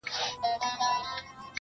ما مېخانې ته صحي نۀ بوتللې